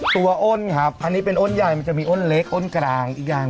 อ้นครับอันนี้เป็นอ้นใหญ่มันจะมีอ้นเล็กอ้นกลางอีกอย่าง